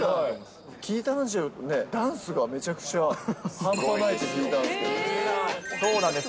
聞いた話じゃね、ダンスがめちゃくちゃ半端ないって聞いたんですそうなんです。